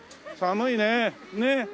寒いねえ。